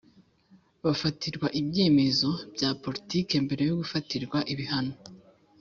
bafatirwa ibyemezo bya politiki mbere yo gufatirwa ibihano